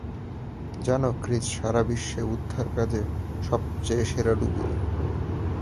জানো, ক্রিস, সারাবিশ্বে উদ্ধারকার্যে সবচেয়ে সেরা ডুবুরি।